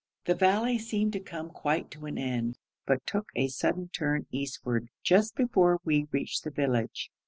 The valley seemed to come quite to an end, but took a sudden turn eastward just before we reached the village.